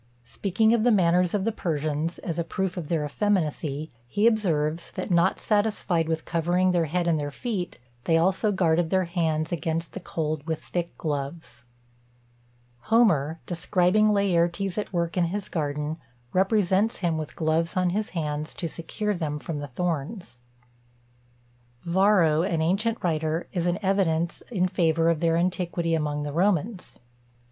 Speaking of the manners of the Persians, as a proof of their effeminacy, he observes, that, not satisfied with covering their head and their feet, they also guarded their hands against the cold with thick gloves. Homer, describing Laertes at work in his garden, represents him with gloves on his hands, to secure them from the thorns. Varro, an ancient writer, is an evidence in favour of their antiquity among the Romans.